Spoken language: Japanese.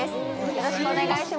よろしくお願いします。